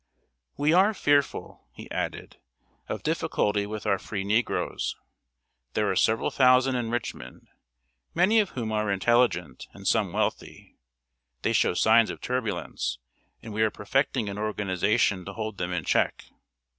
"We are fearful," he added, "of difficulty with our free negroes. There are several thousand in Richmond, many of whom are intelligent, and some wealthy. They show signs of turbulence, and we are perfecting an organization to hold them in check.